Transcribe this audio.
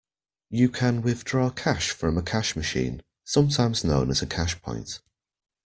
You can withdraw cash from a cash machine, sometimes known as a cashpoint